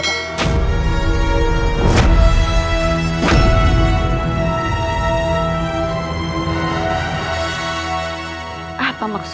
kapan kau menerima penyakit tak berhasil